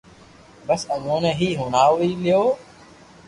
بس امو ني ھي ھڻاو وي لي